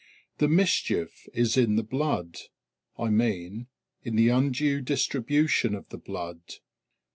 The mischief is in the blood, I mean, in the undue distribution of the blood.